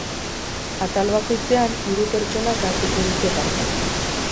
Atal bakoitzean hiru pertsonak hartuko dute parte.